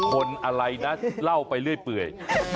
คนอะไรนะเล่าไปเรื่อยเปื่อย